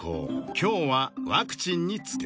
今日はワクチンについて。